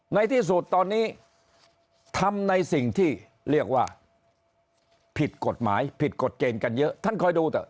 ในที่สุดตอนนี้ทำในสิ่งที่เรียกว่าผิดกฎหมายผิดกฎเกณฑ์กันเยอะท่านคอยดูเถอ